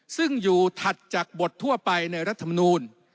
ซึ่งอยู่ถัดจากบททั่วไปในรัฐมนูล